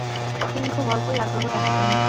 তিনি খুব অল্পই আগ্রহ দেখাতেন।